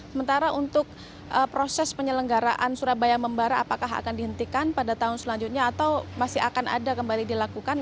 sementara untuk proses penyelenggaraan surabaya membara apakah akan dihentikan pada tahun selanjutnya atau masih akan ada kembali dilakukan